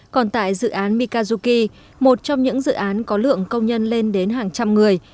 còn tại dự án mikazuki một trong những dự án có lượng công nhân lên đến hàng trăm người